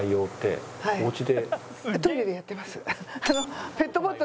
トイレでやってます。